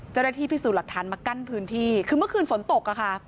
เจ้าหน้าที่พิสูจน์หลักฐานมากั้นพื้นที่คือเมื่อคืนฝนตกอะค่ะ